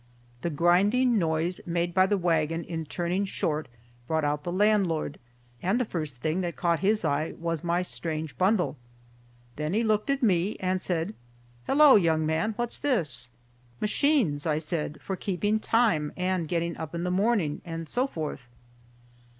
The grinding noise made by the wagon in turning short brought out the landlord, and the first thing that caught his eye was my strange bundle. Then he looked at me and said, "Hello, young man, what's this?" "Machines," I said, "for keeping time and getting up in the morning, and so forth."